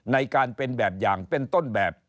ในการเป็นแบบอย่างเป็นต้นแบบ